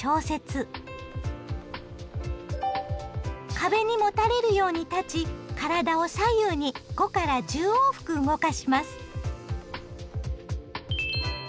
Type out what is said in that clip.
壁にもたれるように立ち体を左右に５１０往復動かします。